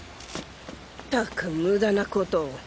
ったくムダなことを。